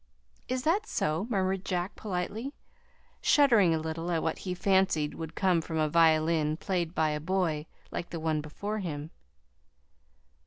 "Is that so?" murmured Jack politely, shuddering a little at what he fancied would come from a violin played by a boy like the one before him.